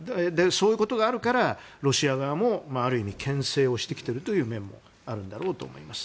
そういうことがあるからロシア側もある意味牽制をしてきているという面もあるんだろうと思います。